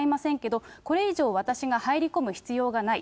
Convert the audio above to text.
、これ以上、私が入り込む必要がない。